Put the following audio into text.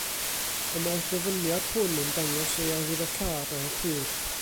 Y mae'r dyfyniad hwn yn dangos ei arwyddocâd ar y pryd.